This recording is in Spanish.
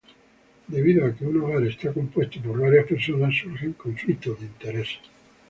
Debido a que un hogar está compuesto por varias personas, surgen conflictos de intereses.